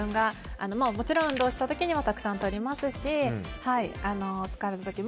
もちろん運動したときはたくさんとりますし。